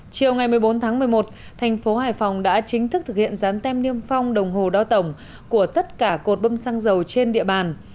chiều ngày một mươi bốn tháng một mươi một thành phố hải phòng đã chính thức thực hiện dán tem niêm phong đồng hồ đo tổng của tất cả cột bơm xăng dầu trên địa bàn